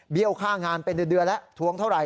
ค่างานเป็นเดือนแล้วทวงเท่าไหร